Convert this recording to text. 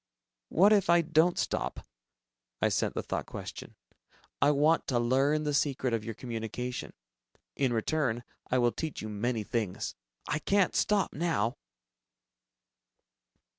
"What if I don't stop?" I sent the thought question, "I want to learn the secret of your communication. In return, I will teach you many things. I can't stop now!"